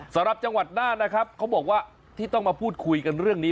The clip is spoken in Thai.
สำหรับจังหวัดน่านนะครับเขาบอกว่าที่ต้องมาพูดคุยกันเรื่องนี้